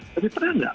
tapi pernah nggak